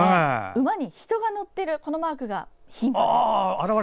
馬に人が乗ってるこのマークがヒントです。